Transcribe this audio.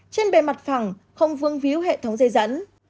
trên bề mặt phẳng không vương víu hệ thống dây dẫn